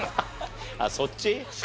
あっそっち？